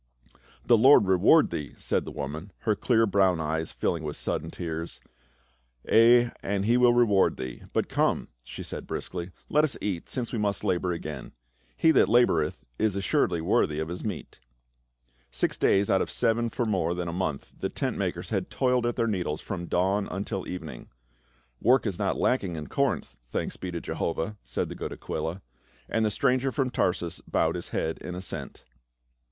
"The Lord reward thee!" said the woman, her clear brown eyes filling with sudden tears. " Ay, and he will reward thee. But come," she added briskly, " let us eat, since we must again labor ; he that labor eth is assuredly worthy of his meat." Six days out of the seven for more than a month the tent makers had toiled at their needles from dawn until evening. " Work is not lacking in Corinth, thanks be to Jehovah !" said the good Aquila. And the stranger from Tarsus bowed his head in assent.